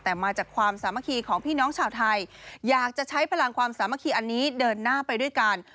แต่มาจากความสามัคคีของพี่น้องชาวไทยอยากจะใช้พลังความสามัคคีอันนี้เดินหน้าไปด้วยกัน